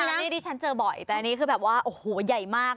แล้วนี่ดิฉันเจอบ่อยแต่อันนี้คือแบบว่าโอ้โหใหญ่มาก